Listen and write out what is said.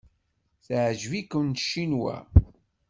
Teɛjeb-ikem Ccinwa?